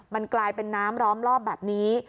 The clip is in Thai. มันกลายเป็นน้ำล้อมรอบแบบนี้